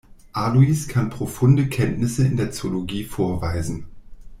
Alois kann profunde Kenntnisse in der Zoologie vorweisen.